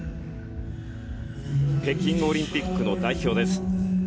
北京オリンピックの代表です。